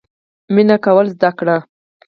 مینه کول زده کړئ